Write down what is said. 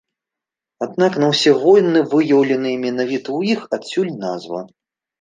Аднак на ўсе воіны выяўленыя менавіта ў іх, адсюль назва.